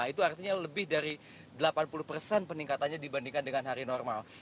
itu artinya lebih dari delapan puluh persen peningkatannya dibandingkan dengan hari normal